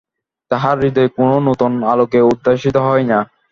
তাহার হৃদয় কোন নূতন আলোকে উদ্ভাসিত হয় না।